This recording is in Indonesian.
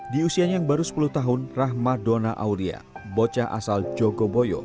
di usianya yang baru sepuluh tahun rahma dona aulia bocah asal jogoboyo